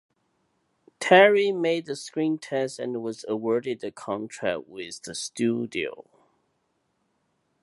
Terry made a screen test and was awarded a contract with the studio.